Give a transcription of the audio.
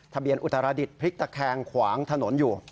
อุตรดิษฐ์พลิกตะแคงขวางถนนอยู่